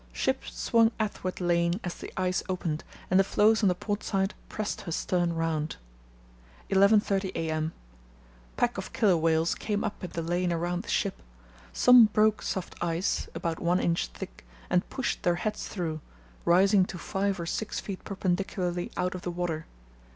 —Ship swung athwart lane as the ice opened, and the floes on the port side pressed her stern round. 11.30 a.m.—Pack of killer whales came up in the lane around the ship. Some broke soft ice (about one inch thick) and pushed their heads through, rising to five or six feet perpendicularly out of the water.